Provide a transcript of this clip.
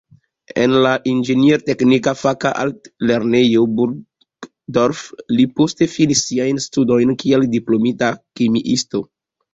En la inĝenier-teknika faka altlernejo Burgdorf li poste finis siajn studojn kiel diplomita kemiisto.